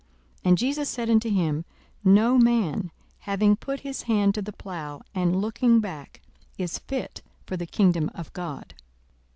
42:009:062 And Jesus said unto him, No man, having put his hand to the plough, and looking back, is fit for the kingdom of God.